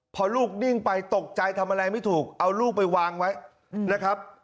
พอลูกนิ่งไปตกใจทำอะไรไม่ถูกเอาลูกไปวางไว้นะครับ